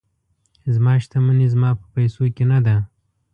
زما شتمني زما په پیسو کې نه ده.